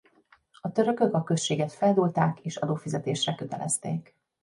A törökök a községet feldúlták és adófizetésre kötelezték.